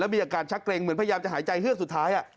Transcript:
มีอาการชักเกรงเหมือนพยายามจะหายใจเฮือกสุดท้าย